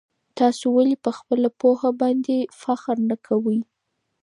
تاسو ولي په خپله پوهنه باندي فخر نه کوئ؟